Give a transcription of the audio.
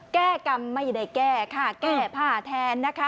แก้กรรมไม่ได้แก้ค่ะแก้ผ้าแทนนะคะ